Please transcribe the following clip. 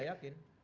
saya tidak yakin